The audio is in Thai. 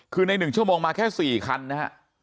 คือใน๑ชั่วโมงมาแค่๔คันนะฮะ